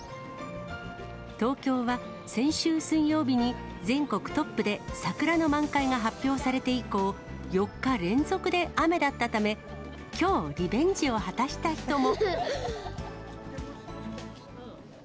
東京は先週水曜日に全国トップで桜の満開が発表されて以降、４日連続で雨だったため、きょうリベンジを果たした人も。